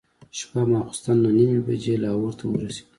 شپه ماخوستن نهه نیمې بجې لاهور ته ورسېدو.